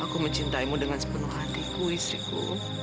aku mencintaimu dengan sepenuh hatiku istriku